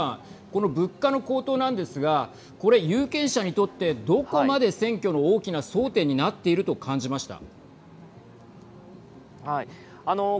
この物価の高騰なんですがこれ有権者にとってどこまで選挙の大きな争点になっていると感じました。